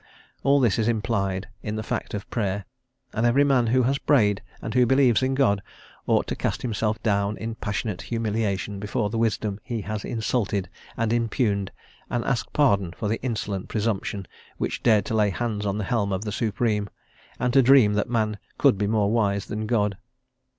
All this is implied in the fact of Prayer, and every man who has prayed, and who believes in God, ought to cast himself down in passionate humiliation before the wisdom he has insulted and impugned, and ask pardon for the insolent presumption which dared to lay hands on the helm of the Supreme, and to dream that man could be more wise than God.